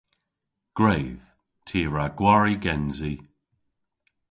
Gwredh! Ty a wra gwari gensi.